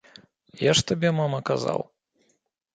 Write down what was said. Я ж табе, мама, казаў!